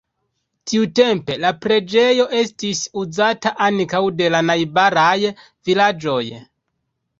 Tiutempe la preĝejo estis uzata ankaŭ de la najbaraj vilaĝoj.